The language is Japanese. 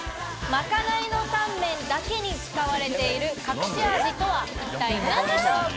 まかないのタンメンだけに使われている隠し味とは一体何でしょうか？